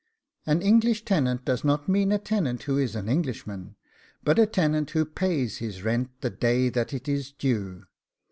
An English tenant does not mean a tenant who is an Englishman, but a tenant who pays his rent the day that it is due.